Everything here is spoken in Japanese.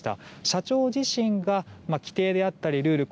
社長自身が規程であったりルール